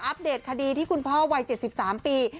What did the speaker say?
เดตคดีที่คุณพ่อวัย๗๓ปี